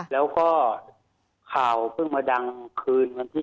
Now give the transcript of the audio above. แล้วก็ข่าวเพิ่งมาดังคืนวันที่๑